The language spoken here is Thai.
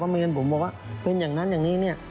ว่าไม่งั้นผมบอกว่าเป็นอย่างนั้นอย่างนี้